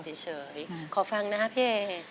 เอ่อเห่อเอ่อเอ่อเอ่อ